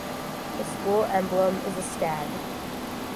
The School emblem is a stag.